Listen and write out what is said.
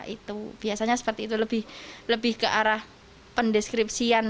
itu biasanya seperti itu lebih ke arah pendeskripsian